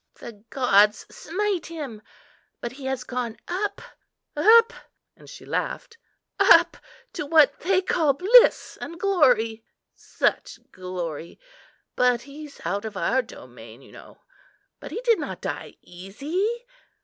"The gods smite him! but he has gone up—up:" and she laughed. "Up to what they call bliss and glory;—such glory! but he's out of our domain, you know. But he did not die easy?"